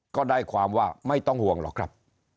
ก็ได้ความว่าไม่ต้องห่วงหรอกครับ